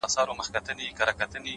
خپل ژوند د ګټورو اغېزو نښه وګرځوئ.